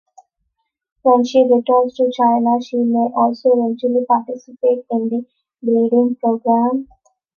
When she returns to China, she may also eventually participate in the breeding program.